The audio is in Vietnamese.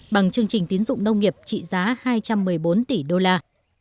bằng chương trình tín dụng nông nghiệp trị giá hai trăm một mươi bốn tỷ đô la